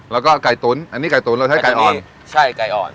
แล้วก็ไก่ตุ๋นอันนี้ไก่ตุ๋นเราใช้ไก่อ่อนใช่ไก่อ่อน